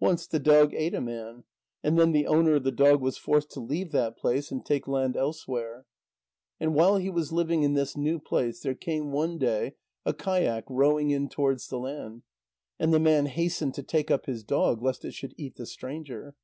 Once the dog ate a man, and then the owner of the dog was forced to leave that place and take land elsewhere. And while he was living in this new place, there came one day a kayak rowing in towards the land, and the man hastened to take up his dog, lest it should eat the stranger.